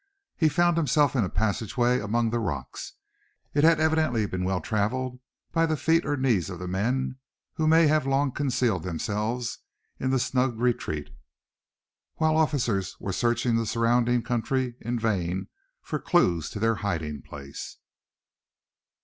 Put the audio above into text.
He found himself in a passage way among the rocks. It had evidently been well traveled by the feet or knees of the men who may have long concealed themselves in the snug retreat; while officers were searching the surrounding country in a vain quest for clues to their hiding place.